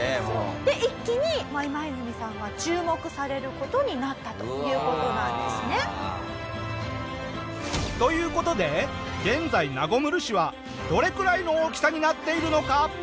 一気にイマイズミさんは注目される事になったという事なんですね。という事で現在中村市はどれくらいの大きさになっているのか？